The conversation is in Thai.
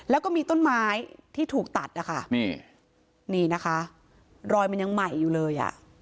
แล้วก็มีต้นไม้ที่ถูกตัดนะคะนี่นี่นะคะรอยมันยังใหม่อยู่เลยอ่ะ